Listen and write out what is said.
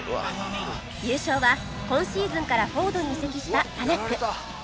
優勝は今シーズンからフォードに移籍したタナック